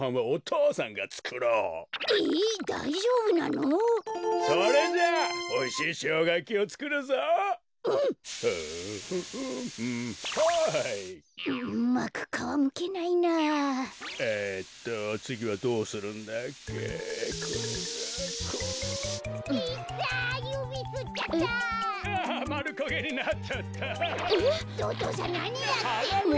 お父さんなにやってんの。